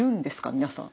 皆さん。